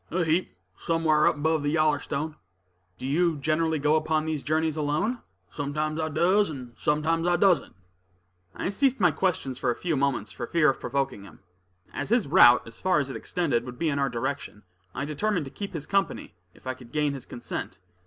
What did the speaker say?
"A heap; somewhar up 'bove the Yallerstone." "Do you generally go upon these journeys alone?" [Illustration: "What's your handle, stranger?"] "Sometimes I does, and sometimes I doesn't." I ceased my questions for a few moments, for fear of provoking him. As his route, as far as it extended, would be in our direction, I determined to keep his company if I could gain his consent.